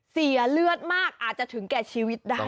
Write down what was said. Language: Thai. เสียเลือดมากอาจจะถึงแก่ชีวิตได้